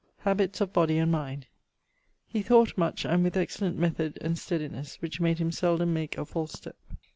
<_Habits of body and mind._> He thought much and with excellent method and stedinesse, which made him seldome make a false step.